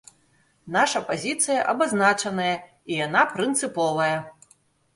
Наша пазіцыя абазначаная, і яна прынцыповая.